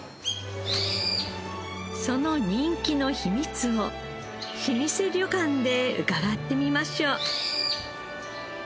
その人気の秘密を老舗旅館で伺ってみましょう。